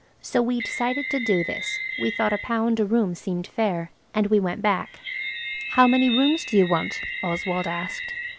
So we decided to do this. We thought a pound a room seemed fair. And we went back. "How many rooms do you want?" Oswald asked.